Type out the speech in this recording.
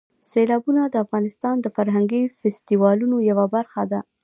سیلابونه د افغانستان د فرهنګي فستیوالونو یوه برخه ده.